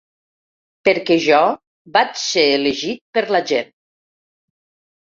Perquè jo vaig ser elegit per la gent.